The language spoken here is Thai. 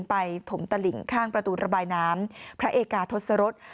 ถมตลิ่งข้างประตูระบายน้ำพระเอกาทศรษ